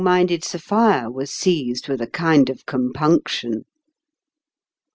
minded Sophia was seized with a kind of compunction.